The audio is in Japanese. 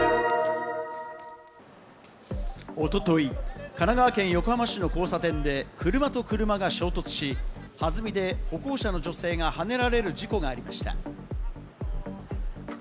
おととい、神奈川県横浜市の交差点で車と車が衝突し、はずみで歩行者の女性がはねられる事故がありました。